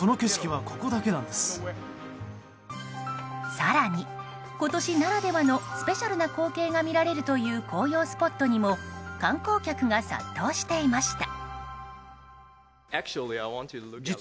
更に、今年ならではのスペシャルな光景が見られるという紅葉スポットにも観光客が殺到していました。